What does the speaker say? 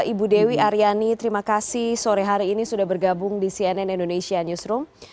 ibu dewi aryani terima kasih sore hari ini sudah bergabung di cnn indonesia newsroom